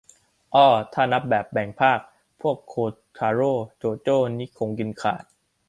เอ้อ ถ้านับแบบแบ่งภาค พวกโคทาโร่ โจโจ้ นี่คงกินขาด